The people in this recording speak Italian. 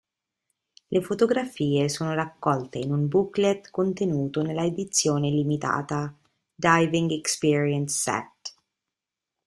Le fotografie sono raccolte in un booklet contenuto nella edizione limitata "Diving Experience set".